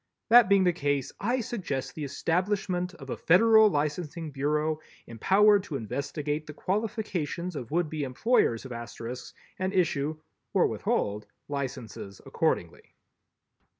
That being the case, I suggest the establishment of a Federal Licensing Bureau empowered to investigate the qualifications of would be employers of Asterisks and issue or withhold licenses accordingly.